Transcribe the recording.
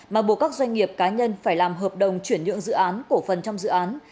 mà buộc các doanh nghiệp cá nhân phải làm hợp đồng chuyển nhượng dự án cổ phần trong dự án